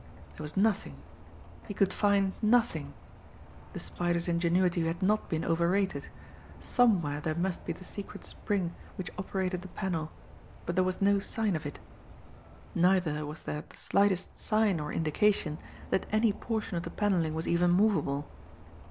There was nothing he could find nothing. The Spider's ingenuity had not been over rated! Somewhere there must be the secret spring which operated the panel, but there was no sign of it; neither was there the slightest sign or indication that any portion of the panelling was even movable.